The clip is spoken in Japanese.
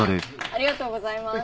ありがとうございます。